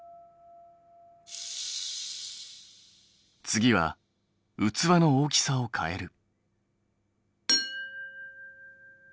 次は器の大きさを変える。